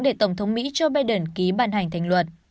để tổng thống mỹ joe biden ký bàn hành thành luật